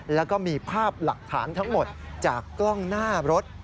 แล้วก็มีภาพหลักฐานทั้งหมดจากกล้องหน้ารถ